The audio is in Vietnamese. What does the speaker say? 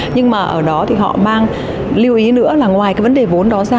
nhưng mà ở đó thì họ mang lưu ý nữa là ngoài cái vấn đề vốn đó ra